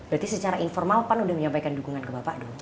berarti secara informal pan sudah menyampaikan dukungan ke bapak dong